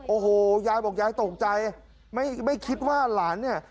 โอ้โหยายบอกยายตกใจไม่คิดว่าหลานเนี่ย